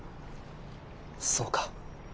そうか。